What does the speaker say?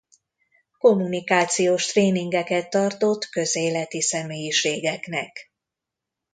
Kommunikációs tréningeket tartott közéleti személyiségeknek.